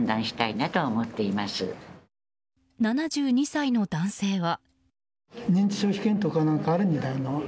７２歳の男性は。